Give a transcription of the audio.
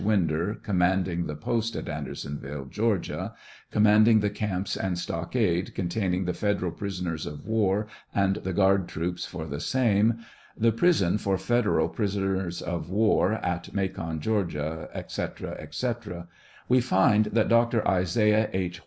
Winder, commanding the post at Andersonville, Georgia, commanding the camps and stockade containing federal prisoners of war and the guard troops for the same, the prison for federal prisoners of war at Macon, Georgia," &c., &c., we find that Dr. Isaiah H.